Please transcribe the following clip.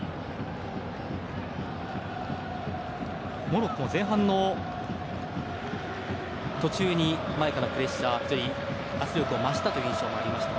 モロッコも前半の途中に前からのプレッシャー、非常に圧力が増したという印象もありました。